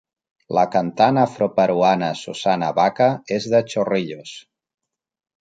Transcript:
La cantant afroperuana Susana Baca és de Chorrillos.